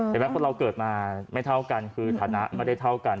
เห็นไหมคนเราเกิดมาไม่เท่ากันคือฐานะไม่ได้เท่ากัน